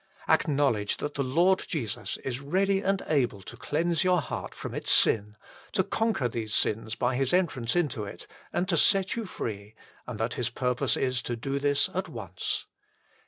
Acknowledge that the Lord Jesus is ready and able to cleanse your heart from its sin ; to con quer these sins by His entrance into it, and to set you free ; and that His purpose is to do this at once.